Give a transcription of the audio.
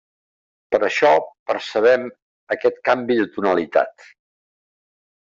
Per això percebem aquest canvi de tonalitat.